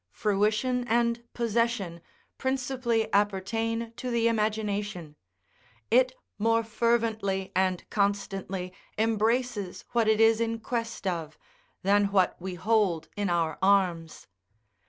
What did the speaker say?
Fruition and possession principally appertain to the imagination; it more fervently and constantly embraces what it is in quest of, than what we hold in our arms.